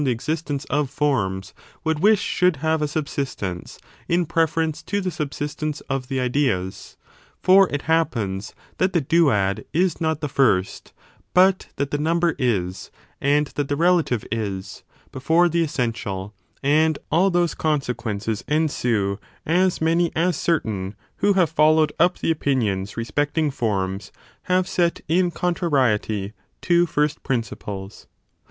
the existence of forms would wish should have piita^oUieory a subsistence in preference to the subsistence of of ideas, the ideas; for it happens that the duad is not the first, but that the number is, and^hat the relative is, before the essen tial : and all those consequences ensue, as many as certain, who have followed up the opinions respecting forms — have set in contrariety to first principles.